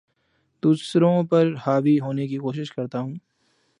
دوسروں پر حاوی ہونے کی کوشش کرتا ہوں